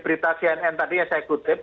berita cnn yang saya kutip